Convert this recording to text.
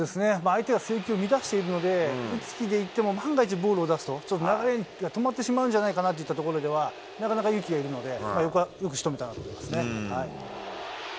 相手が制球を乱しているので、打つ気でいっても万が一ボールを出すと、ちょっと流れが止まってしまうんじゃないかなといったところで、なかなか勇気がいるので、よくしとめたなと思いますね。